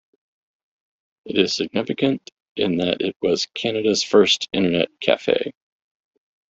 It is significant in that it was Canada's first internet cafe.